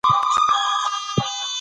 که میندې هوښیارې وي نو غلطي به نه وي.